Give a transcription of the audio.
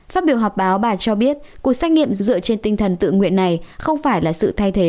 phát biểu họp báo bà cho biết cuộc xét nghiệm dựa trên tinh thần tự nguyện này không phải là sự thay thế